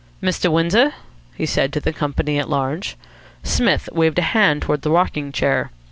"Mr. Windsor?" he said to the company at large. Psmith waved a hand towards the rocking chair.